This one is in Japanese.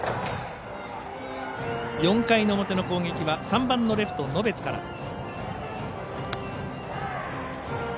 ４回の表の攻撃は３番のレフト、野別から。